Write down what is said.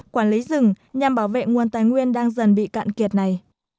quản lý rừng nhằm bảo vệ nguồn tài nguyên đang dần bị cạn kiệt này